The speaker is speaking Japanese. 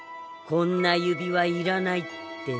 ここんな指輪いらない！